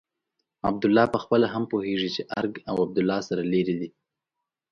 عبدالله پخپله هم پوهېږي چې ارګ او عبدالله سره لرې دي.